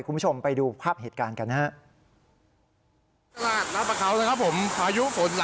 คุณผู้ชมไปดูภาพเหตุการณ์กันนะครับ